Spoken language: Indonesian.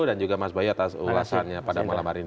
dan juga mas bayu atas ulasannya pada malam hari ini